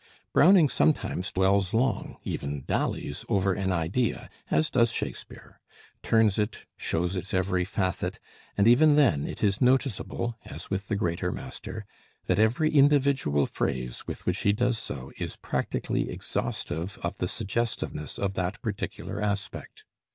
Browning sometimes dwells long even dallies over an idea, as does Shakespeare; turns it, shows its every facet; and even then it is noticeable, as with the greater master, that every individual phrase with which he does so is practically exhaustive of the suggestiveness of that particular aspect.